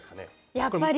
やっぱり！